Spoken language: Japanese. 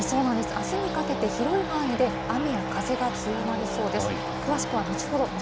あすにかけて広い範囲で雨や風が強まりそうです。